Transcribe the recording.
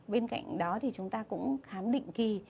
bên cạnh đó thì chúng ta cũng khám định kỳ